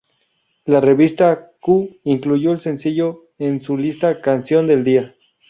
La revista Q incluyó el sencillo en su lista "Canción del día".